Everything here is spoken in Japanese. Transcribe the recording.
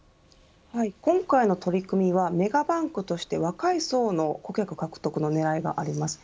今回の取り組みはメガバンクとしては若い層の顧客獲得の狙いがあります。